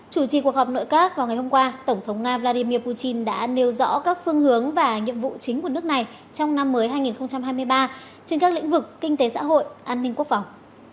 chủ trì cuộc họp nội các vào ngày hôm qua tổng thống nga vladimir putin đã nêu rõ các phương hướng và nhiệm vụ chính của nước này trong năm mới hai nghìn hai mươi ba trên các lĩnh vực kinh tế xã hội an ninh quốc phòng